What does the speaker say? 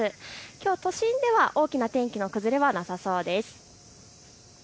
きょうは都心では大きな天気の崩れはなさそうです。